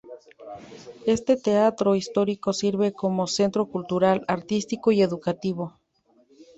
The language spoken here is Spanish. Este teatro histórico sirve como centro cultural, artístico y educativo.